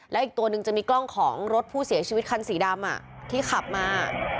และอีกตัวหนึ่งจะมีกล้องของรถผู้เสียชีวิตคันสีดำที่ขับมา